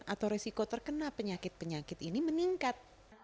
atau resiko terkena penyakit penyakit ini meningkat